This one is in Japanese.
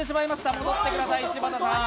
戻ってください、柴田さん。